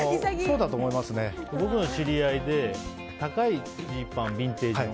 僕の知り合いで高いジーパン、ビンテージの。